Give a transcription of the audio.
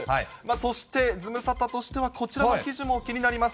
そしてズムサタとしてはこちらの記事も気になります。